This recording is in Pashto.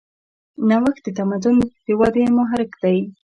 نوښت د تمدن د ودې محرک دی.